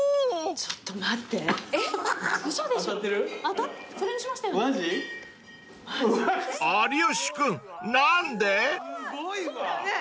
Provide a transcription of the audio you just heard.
ちょっと待ってよ！